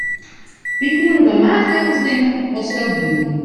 Dy koenen dan maatregels nimme at se dat woenen.